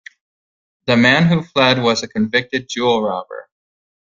The man who fled was a convicted jewel-robber.